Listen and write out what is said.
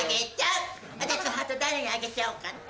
私のハート誰にあげちゃおうかな？